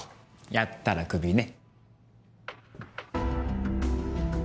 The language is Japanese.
やったらクビね。